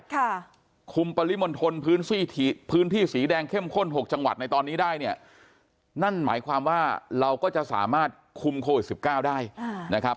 ค่ะคุมปริมทนพื้นที่สีแดงเข้มข้น๖จังหวัดในตอนนี้ได้เนี่ยนั่นหมายความว่าเราก็จะสามารถคุมโคตร๑๙ได้นะครับ